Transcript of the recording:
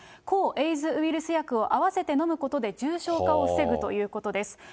抗エイズウイルス薬を併せて飲むことで、重症化を防ぐということです。